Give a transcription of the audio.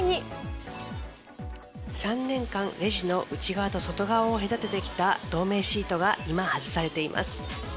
３年間、レジの内側と外側を隔ててきた透明シートが、今外されています。